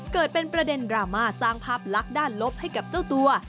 เกิดเป็นประเด็นดราม่าสร้างภาพลักษณ์ด้านลบให้กับเจ้าตัว